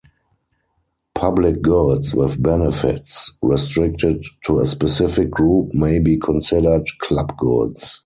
Public goods with benefits restricted to a specific group may be considered club goods.